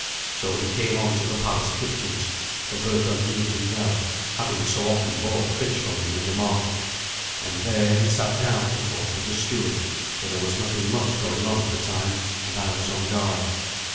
So he came on to the palace kitchens, for Berthun knew him well, having so often bought fish from him in the market; and there he sat down to talk with the steward, for there was nothing much going on at the time, and I was on guard.